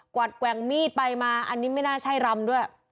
วัดแกว่งมีดไปมาอันนี้ไม่น่าใช่รำด้วย